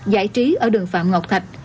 giải trí ở đường phạm ngọc thạch